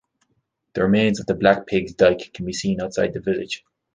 The remains of the Black Pig's Dyke can be seen outside the village.